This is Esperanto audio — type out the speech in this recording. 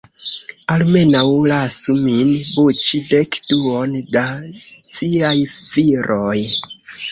Almenaŭ, lasu min buĉi dek-duon da ciaj viroj!